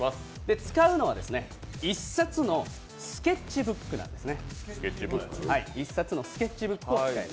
使うのは１冊のスケッチブックなんですね。